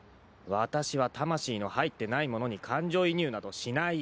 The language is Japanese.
わたしは魂の入ってないものに感情移入などしない。